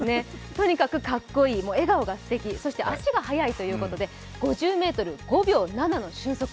とにかくかっこいい、笑顔がすてき足が速いということで５０ｍ５秒７の俊足